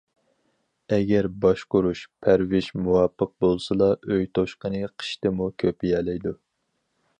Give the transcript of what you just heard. ئەگەر باشقۇرۇش، پەرۋىش مۇۋاپىق بولسىلا، ئۆي توشقىنى قىشتىمۇ كۆپىيەلەيدۇ.